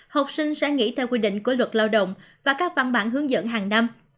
học sinh sẽ nghỉ theo quy định của luật lao động và các văn bản hướng dẫn hàng năm